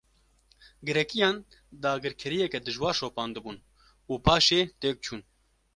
Grekiyan, dagirkeriyeke dijwar şopandibûn û paşê têk çûn